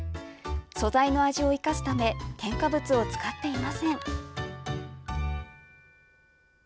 素材の味を生かすため添加物を使っていません。